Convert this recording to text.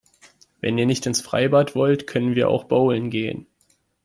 Wenn ihr nicht ins Freibad wollt, können wir auch bowlen gehen.